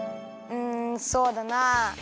うんそうだな。